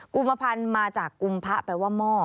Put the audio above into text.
ุมพันธ์มาจากกุมพระแปลว่าหม้อ